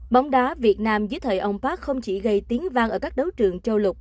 bóng đá việt nam dưới thời ông park không chỉ gây tiếng vang ở các đấu trường châu lục